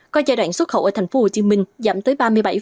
có giai đoạn xuất khẩu ở tp hcm giảm tới ba mươi bảy